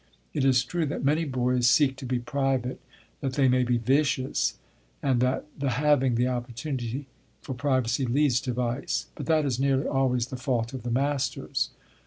It is true that many boys seek to be private that they may be vicious, and that the having the opportunity for privacy leads to vice. But that is nearly always the fault of the masters.